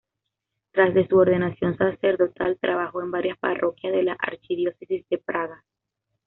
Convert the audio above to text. Tras de su ordenación sacerdotal trabajó en varias parroquias de la archidiócesis de Praga.